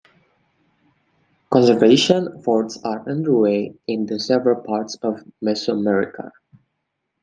Conservation efforts are underway in several parts of Mesoamerica.